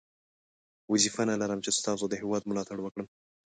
وظیفه لرم چې ستاسو د هیواد ملاتړ وکړم.